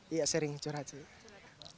iya sering curhat sih